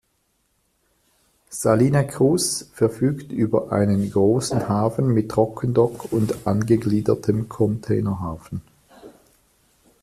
Salina Cruz verfügt über einen großen Hafen mit Trockendock und angegliedertem Containerhafen.